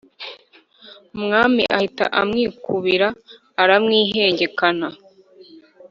umwami ahita amwikubira aramwihengekana